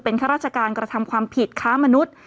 ข้าราชการกระทำความผิดค้ามนุษย์